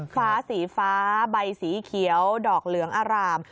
ฟ้าสีฟ้าใบสีเขียวดอกเหลืองอร่าม